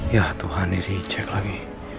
ya tuhan diricek lagi